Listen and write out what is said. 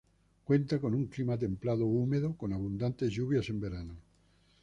Cuenta con un clima Templado húmedo con abundantes lluvias en verano.